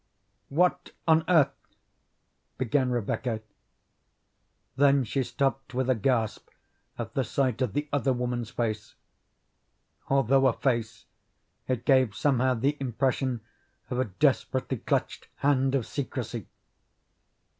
"What on earth " began Rebecca, then she stopped with a gasp at the sight of the other woman's face. Although a face, it gave somehow the impression of a desperately clutched hand of secrecy.